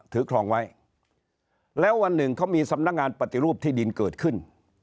ครองไว้แล้ววันหนึ่งเขามีสำนักงานปฏิรูปที่ดินเกิดขึ้น